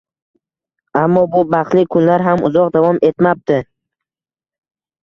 Ammo bu baxtli kunlar ham uzoq davom etmabdi